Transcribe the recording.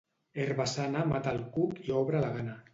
Herba-sana mata el cuc i obre la gana.